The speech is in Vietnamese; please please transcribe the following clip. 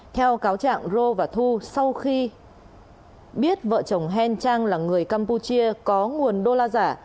theo cáo trạng rô và thu sau khi biết vợ chồng hen trang là người campuchia có nguồn đô la giả